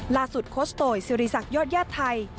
ล่าสุดโคสโตย์ซิริสักยอดยาชไทย